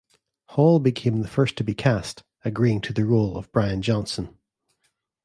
Hall became the first to be cast, agreeing to the role of Brian Johnson.